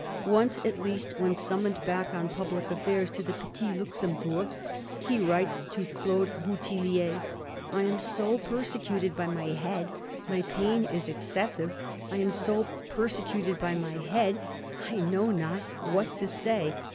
Once at least, when summoned back on public affairs to the Petit Luxembourg, he writes to Claude Bouthillier :" I am so persecuted by my head ... my pain is excessive. ... I am so persecuted by my head, I know not what to say.